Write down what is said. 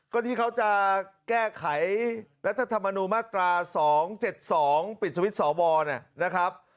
ก็ที่เขาจะแก้ไขรัฐธรรมนูญมาตรา๒๗๒ปิดสวิตช์สวนะครับ